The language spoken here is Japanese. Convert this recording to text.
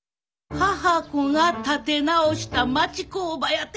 「母娘が立て直した町工場」やて。